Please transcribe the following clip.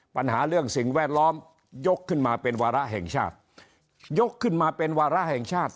ปัญหาเรื่องสิ่งแวดล้อมยกขึ้นมาเป็นวาระแห่งชาติ